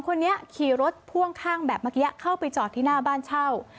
คนนี้ขี่รถพ่วงข้างแบบเมื่อกี้เข้าไปจอดที่หน้าบ้านเช่า